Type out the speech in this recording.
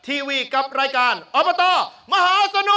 ทีวีกับรายการอบตมหาสนุก